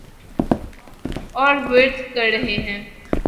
اور ورد کر رہے ہیں۔